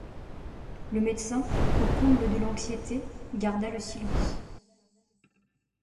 Le médecin, au comble de l’anxiété, garda le silence.